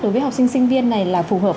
đối với học sinh sinh viên này là phù hợp